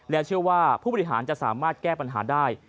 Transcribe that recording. เชื่อว่าผู้บริหารจะสามารถแก้ปัญหาได้